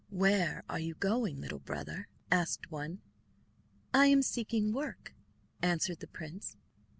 "Where are you going, little brother?" asked one. "I am seeking work," answered the prince.